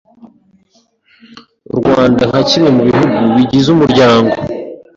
Rwanda nka kimwe mu bihugu bigize Umuryango